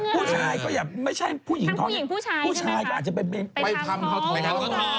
ผู้ชายอาจจะไปทำเขาเทา